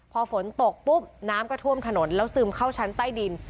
พอฝนตกปุ๊บน้ำก็ท่วมถนนแล้วซึมเข้าชั้นใต้ดิน